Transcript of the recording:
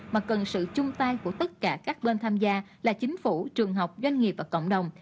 mà cần sự chung tay của tất cả các bên tham gia là chính phủ trường học doanh nghiệp và cộng đồng